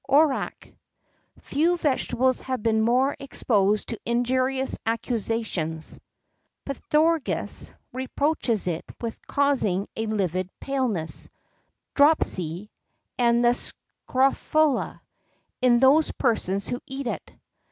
ORACH. Few vegetables have been more exposed to injurious accusations. Pythagoras reproaches it with causing a livid paleness, dropsy, and the scrofula, in those persons who eat it.